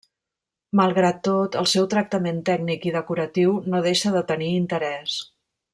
Malgrat tot, el seu tractament tècnic i decoratiu no deixa de tenir interès.